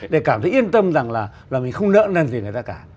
để cảm thấy yên tâm rằng là mình không nỡ năn gì người ta cả